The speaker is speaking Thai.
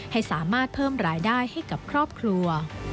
ให้สามารถเพิ่มรายได้ให้กับครอบครัว